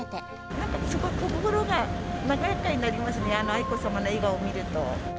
なんかすごく心が和やかになりますね、愛子さまの笑顔を見ると。